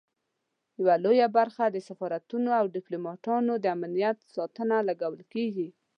یوه لویه برخه د سفارتونو او ډیپلوماټانو د امنیت په ساتنه لګول کیږي.